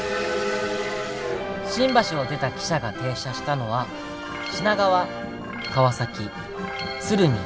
新橋を出た汽車が停車したのは品川川崎鶴見